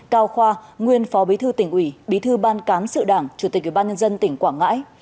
cao khoa nguyên phó bí thư tỉnh ủy bí thư ban cán sự đảng chủ tịch ủy ban nhân dân tỉnh quảng ngãi